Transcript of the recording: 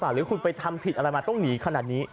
หรือคุณไปทำผิดอะไรมาต้องหนีขนาดนี้